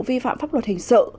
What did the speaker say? vi phạm pháp luật hình sự